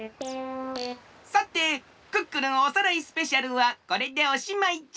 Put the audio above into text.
さて「クックルンおさらいスペシャル！」はこれでおしまいじゃ。